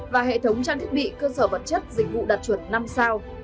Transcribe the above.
và hệ thống trang thiết bị cơ sở vật chất dịch vụ đạt chuẩn năm sao